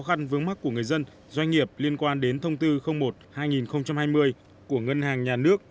khăn vướng mắt của người dân doanh nghiệp liên quan đến thông tư một hai nghìn hai mươi của ngân hàng nhà nước